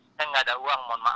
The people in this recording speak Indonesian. saya nggak ada uang mohon maaf